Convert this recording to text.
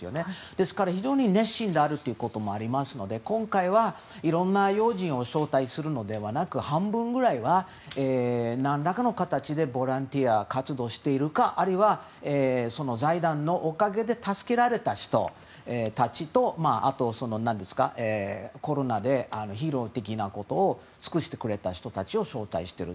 ですから非常に熱心であるということもあって今回は、いろんな要人を招待するのではなく半分ぐらいは何らかの形でボランティア活動しているかあるいは、その財団のおかげで助けられた人たちとあと、コロナでヒーロー的なことを尽くしてくれた人を招待している。